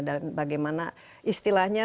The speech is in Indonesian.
dan bagaimana istilahnya